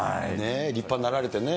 立派になられてね。